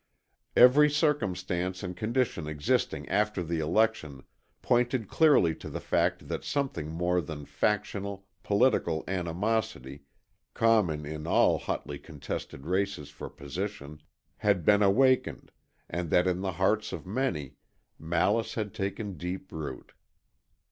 Every circumstance and condition existing after the election pointed clearly to the fact that something more than factional, political animosity, common in all hotly contested races for position, had been awakened and that in the hearts of many, malice had taken deep root.